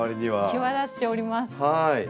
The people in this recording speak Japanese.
際立っております。